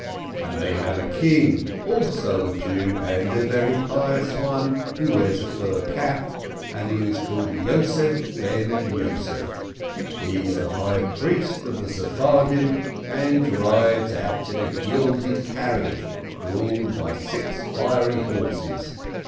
And they have a king, also a Jew, and a very pious one, who wears a fur cap, and who is called Joseph ben Joseph. He is the high priest of the Sefardim, and drives out in a gilded carriage, drawn by six fiery horses.